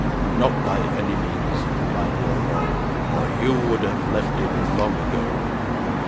'Not by any means,' replied the old lord, 'or you would have left it long ago.